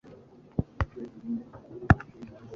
Utaravunaga unibingo rusadutse kandi ntazimye urumuri mcumba